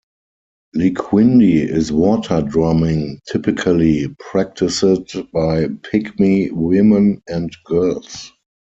Liquindi is water drumming, typically practiced by Pygmy women and girls.